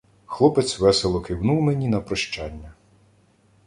Хлопець весело кивнув мені на прощання.